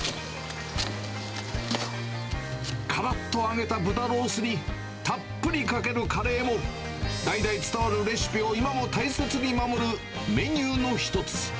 からっと揚げた豚ロースに、たっぷりかけるカレーも、代々伝わるレシピを今も大切に守るメニューの一つ。